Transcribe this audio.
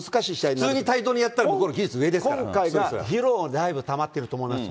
普通に対等にやったら、今回は、疲労がたまっていると思います。